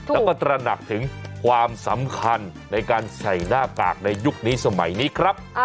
แล้วก็ตระหนักถึงความสำคัญในการใส่หน้ากากในยุคนี้สมัยนี้ครับ